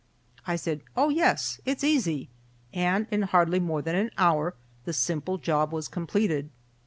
I said, "Oh, yes! It's easy," and in hardly more than an hour the simple job was completed.